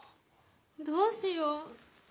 どうしよう。